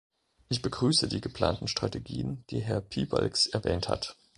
Ich begrüße die geplanten Strategien, die Herr Piebalgs erwähnt hat.